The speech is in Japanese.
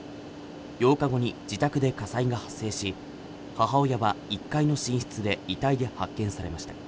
８日後に自宅で火災が発生し母親は１階の寝室で遺体で発見されました